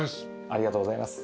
ありがとうございます。